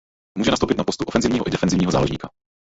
Může nastoupit na postu ofenzivního i defenzivního záložníka.